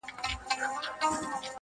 تاريخ يې ساتي په حافظه کي،